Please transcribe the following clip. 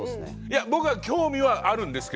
いや僕は興味はあるんですけど